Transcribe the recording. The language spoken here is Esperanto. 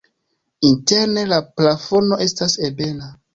Interne la plafono estas ebena.